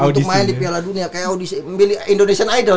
untuk main di piala dunia kayak audisi indonesian idol